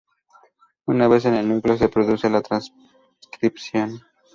Una vez en el núcleo se produce la transcripción.